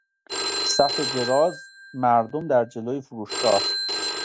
صف دراز مردم در جلو فروشگاه